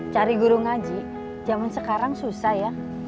cari guru ngaji zaman sekarang susah ya